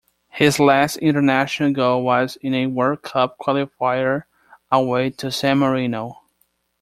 His last international goal was in a World Cup qualifier away to San Marino.